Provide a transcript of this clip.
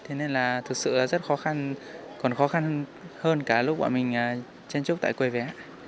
thế nên là thực sự là rất khó khăn còn khó khăn hơn cả lúc bọn mình chen chúc tại quê vé